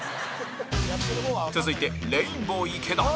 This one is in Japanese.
続いて、レインボー池田